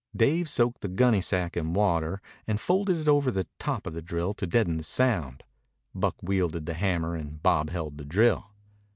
Dave soaked the gunnysack in water and folded it over the top of the drill to deaden the sound. Buck wielded the hammer and Bob held the drill.